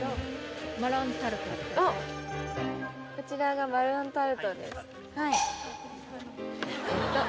こちらがマロンタルトです。